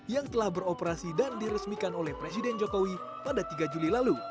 yang telah beroperasi dan diresmikan oleh presiden jokowi pada tiga juli lalu